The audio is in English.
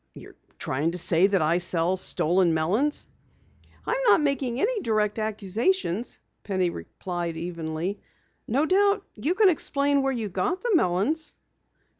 "You're trying to say that I sell stolen melons!" "I'm not making any direct accusations," Penny replied evenly. "No doubt you can explain where you got the melons."